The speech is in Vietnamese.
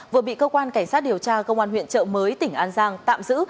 vừa bị cơ quan cảnh sát điều tra công an huyện trợ mới tỉnh an giang tạm giữ